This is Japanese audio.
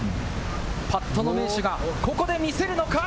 パットの名手がここで見せるのか？